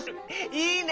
いいね！